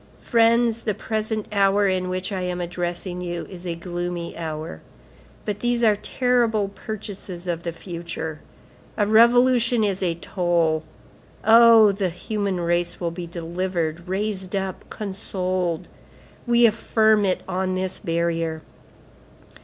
Friends, the present hour in which I am addressing you, is a gloomy hour; but these are terrible purchases of the future. A revolution is a toll. Oh! the human race will be delivered, raised up, consoled! We affirm it on this barrier.